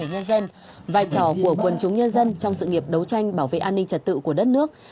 nhân dân vai trò của quần chúng nhân dân trong sự nghiệp đấu tranh bảo vệ an ninh trật tự của đất nước